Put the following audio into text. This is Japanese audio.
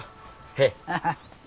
へえ。